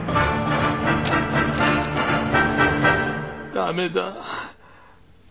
駄目だ。